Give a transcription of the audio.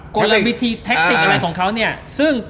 โกรธลักษณ์วิธีแทคติคอะไรของเขาเนี่ยซึ่ง